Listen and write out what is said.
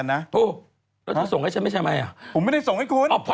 นำเข้าไม่ได้นะฮะ